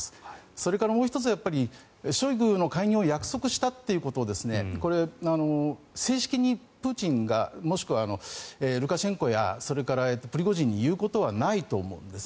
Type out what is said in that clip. それからもう１つはショイグの解任を約束したということを正式にプーチンがもしくはルカシェンコやプリゴジン氏に言うことはないと思うんです。